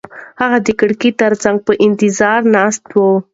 هغه د کړکۍ تر څنګ په انتظار ناسته وه.